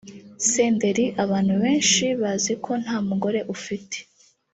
Senderi abantu benshi bazi ko nta mugore ufite